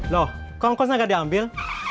loh kok angkosnya gak diambil